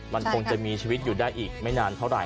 มันคงจะมีชีวิตอยู่ได้อีกไม่นานเท่าไห